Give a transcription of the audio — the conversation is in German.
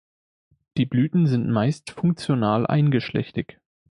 Die Blüten sind meist funktional eingeschlechtig.